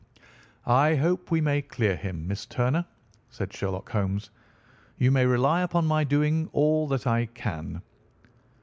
"I hope we may clear him, Miss Turner," said Sherlock Holmes. "You may rely upon my doing all that I can."